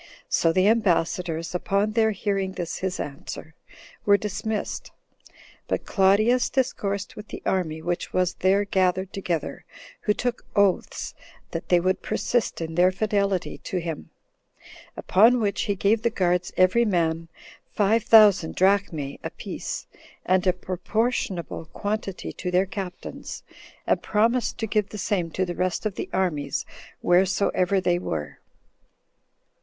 So the ambassadors, upon their hearing this his answer, were dismissed. But Claudius discoursed with the army which was there gathered together, who took oaths that they would persist in their fidelity to him; Upon which he gave the guards every man five thousand 13 drachmae a piece, and a proportionable quantity to their captains, and promised to give the same to the rest of the armies wheresoever they were.